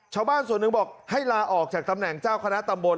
ชาวบ้านส่วนหนึ่งบอกให้ลาออกจากตำแหน่งเจ้าคณะตำบล